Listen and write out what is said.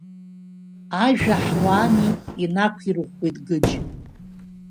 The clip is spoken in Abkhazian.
Ажәа ҳуаами инақәирӷәӷәеит Гыџь.